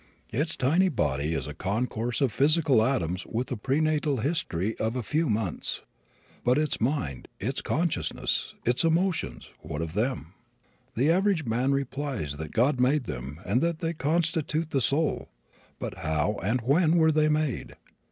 Its tiny body is a concourse of physical atoms with a prenatal history of a few months. But its mind, its consciousness, its emotions, what of them? The average man replies that God made them and they constitute the soul. But how and when were they "made"?